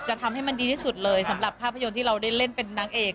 ทำให้มันดีที่สุดเลยสำหรับภาพยนตร์ที่เราได้เล่นเป็นนางเอก